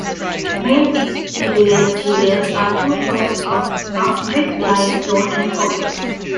Main exterior materials are two tones of buff brick, limestone and copper.